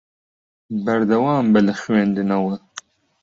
بەردەوام بە لە خوێندنەوە.